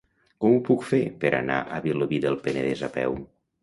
Com ho puc fer per anar a Vilobí del Penedès a peu?